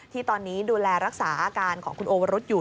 ที่ตอนนี้ดูแลรักษาอาการของคุณโอวรุษอยู่